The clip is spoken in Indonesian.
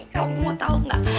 kamu mau tau gak